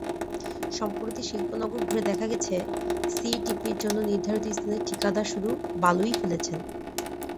সম্প্রতি শিল্পনগর ঘুরে দেখা গেছে, সিইটিপির জন্য নির্ধারিত স্থানে ঠিকাদার শুধু বালুই ফেলেছেন।